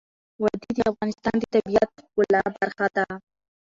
وادي د افغانستان د طبیعت د ښکلا برخه ده.